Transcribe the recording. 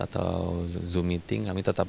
atau zoom meeting kami tetap